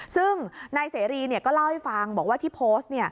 ซึ่งนายเสรีก็เล่าให้ฟังบอกว่าที่โพสต์